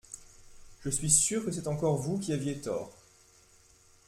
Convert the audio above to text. Je suis sûre que c’est encore vous qui aviez tort.